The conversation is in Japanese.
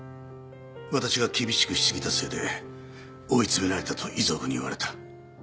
私が厳しくし過ぎたせいで追い詰められたと遺族に言われた。